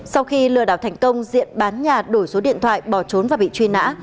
sau khi lừa đảo thành công diện bán nhà đổi số điện thoại bỏ trốn và bị truy nã